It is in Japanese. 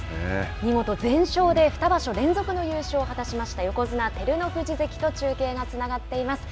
見事全勝で二場所連続の優勝を果たしました横綱・照ノ富士関と中継がつながっています。